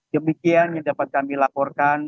demikian yang dapat kami laporkan